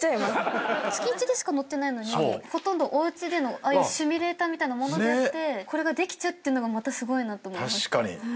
月１でしか乗ってないのにほとんどおうちでのああいうシミュレーターみたいなものでやってこれができちゃってんのがまたすごいなと思いました。